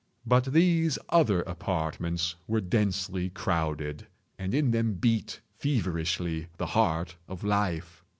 But these other apartments were densely crowded, and in them beat feverishly the heart of life.